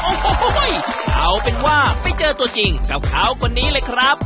โอ้โหเอาเป็นว่าไปเจอตัวจริงกับเขาคนนี้เลยครับ